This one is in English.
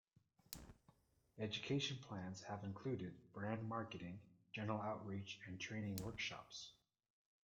Education plans have included brand marketing, general outreach and training workshops.